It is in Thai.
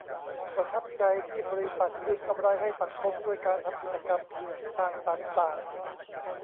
ประทับใจที่บริษัทคืนกำไรให้สังคมด้วยการทำกิจกรรมสร้างสรรค์ต่าง